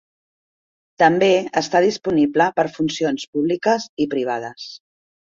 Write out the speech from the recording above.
També està disponible per funcions públiques i privades.